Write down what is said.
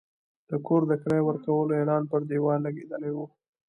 د کور د کرایې ورکولو اعلان پر دېوال لګېدلی و.